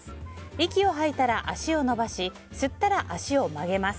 息を吐いたら足を伸ばし吸ったら足を曲げます。